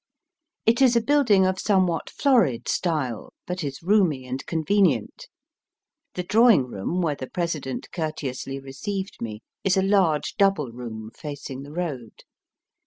It is a building of somewhat florid style, but is roomy and convenient. The drawing room where the President courteously received me is a large double room facing the road.